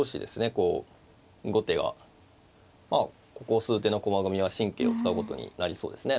こう後手がここ数手の駒組みは神経を使うことになりそうですね。